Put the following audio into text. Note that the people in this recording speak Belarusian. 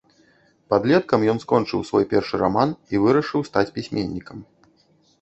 Падлеткам ён скончыў свой першы раман і вырашыў стаць пісьменнікам.